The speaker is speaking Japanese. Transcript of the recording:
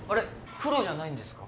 黒じゃないんですか？